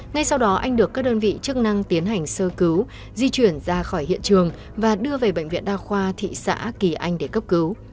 ngay sau đó anh được các đơn vị chức năng tiến hành sơ cứu di chuyển ra khỏi hiện trường và đưa về bệnh viện đa khoa thị xã kỳ anh để cấp cứu